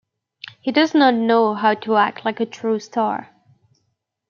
He does not know how to act like a true star.